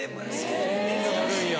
そんなんあるんや。